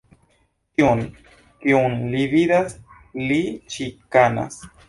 Ĉiun, kiun li vidas, li ĉikanas.